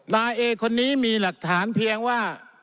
นายเอคนนี้มีหลักฐานเพียงว่า